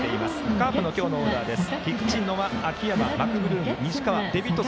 カープの今日のオーダーです。